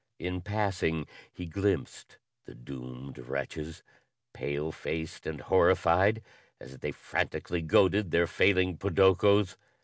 In passing he glimpsed the doomed wretches, pale faced and horrified, as they frantically goaded their failing podokos.